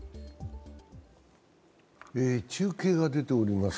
中継が出ております。